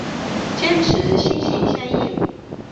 坚持心心相印。